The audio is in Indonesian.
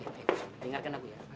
hei hei hei dengarkan aku ya